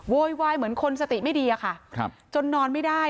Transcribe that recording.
โวยวายเหมือนคนสติไม่ดีอะค่ะจนนอนไม่ได้